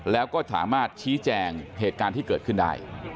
แล้วก็สามารถชี้แจงเหตุการณ์ที่เกิดขึ้นได้